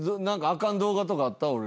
何かあかん動画とかあった？